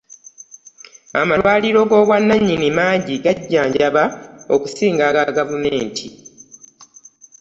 amalwaliro g'obwannannyini mangi gajjanjaba okusinga aga gavumenti.